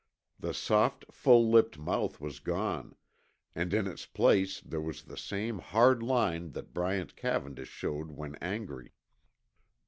The soft, full lipped mouth was gone, and in its place there was the same hard line that Bryant Cavendish showed when angry.